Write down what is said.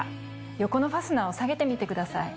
横のファスナーを下げてみてください。